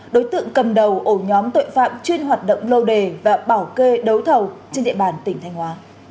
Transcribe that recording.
đối tượng cầm đầu ổ nhóm tội phạm chuyên hoạt động lô đề và bảo kê đấu thầu trên địa bàn tỉnh thanh hóa